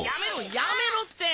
やめろって！